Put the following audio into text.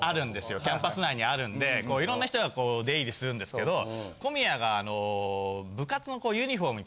キャンパス内にあるんでいろんな人が出入りするんですけど小宮が。